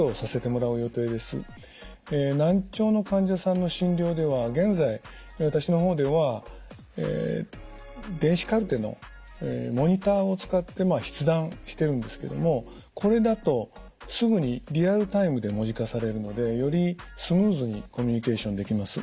難聴の患者さんの診療では現在私の方では電子カルテのモニターを使って筆談してるんですけどもこれだとすぐにリアルタイムで文字化されるのでよりスムーズにコミュニケーションできます。